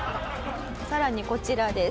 さらにこちらです。